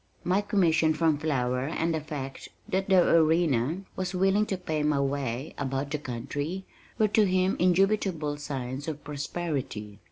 My commission from Flower and the fact that the Arena was willing to pay my way about the country, were to him indubitable signs of prosperity.